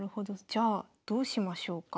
じゃあどうしましょうか。